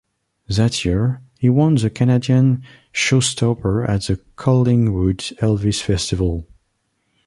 That year, he won the Canadian Showstopper at the Collingwood Elvis Festival.